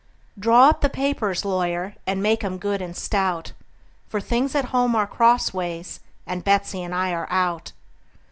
Draw up the papers, lawyer, and make 'em good and stout; For things at home are crossways, and Betsey and I are out.